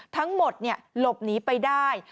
ทั้งหมดหลบหนีไปได้